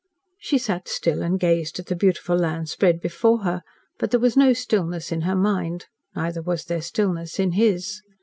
She sat still and gazed at the beautiful lands spread before her, but there was no stillness in her mind, neither was there stillness in his.